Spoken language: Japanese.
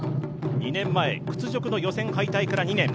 ２年前、屈辱の予選敗退から２年。